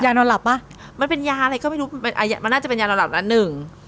นอนหลับป่ะมันเป็นยาอะไรก็ไม่รู้มันน่าจะเป็นยานอนหลับละหนึ่ง